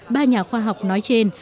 ba nhà khoa học nói trên